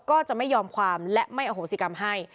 ก็จะไม่ยอมความและไม่อโหสิกรรมให้